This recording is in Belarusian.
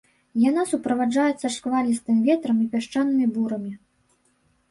Яна суправаджаецца шквалістым ветрам і пясчанымі бурамі.